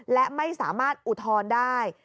และไม่สามารถอุทธรณ์ได้